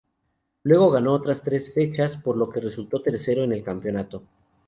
Luego ganó otras tres fechas, por lo que resultó tercero en el campeonato.